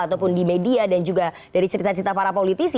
ataupun di media dan juga dari cerita cerita para politisi